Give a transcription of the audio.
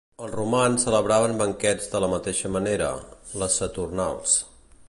Els romans celebraven banquets de la mateixa manera, les saturnals.